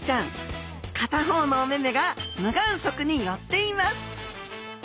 片方のお目々が無眼側に寄っています。